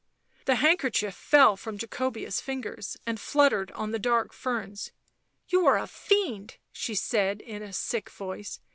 The handkerchief fell from Jacobea's fingers and fluttered on the dark ferns. " You are a fiend," she said in a sick voice.